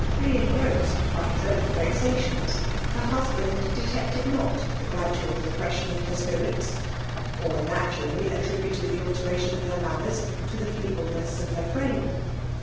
Pre engrossed by his own vexations, her husband detected not the gradual depression of her spirits ; or, naturally, at^boted the al teration of her manners to the feebleness of hcgr frame.